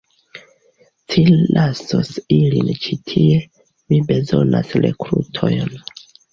Ci lasos ilin ĉi tie; mi bezonas rekrutojn.